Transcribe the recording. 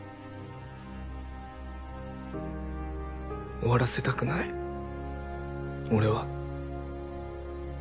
終わらせたくない俺は。